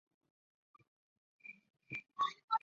大家察觉到她状况有异